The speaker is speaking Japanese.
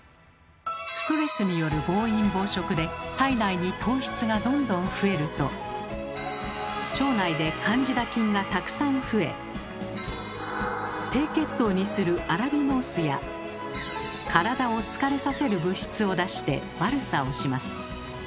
ストレスによる暴飲暴食で体内に糖質がどんどん増えると腸内でカンジダ菌がたくさん増え低血糖にするアラビノースや体を疲れさせる物質を出して悪さをします。